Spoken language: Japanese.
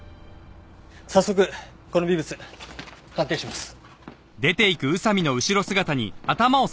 早速この微物鑑定します。